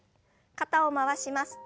肩を回します。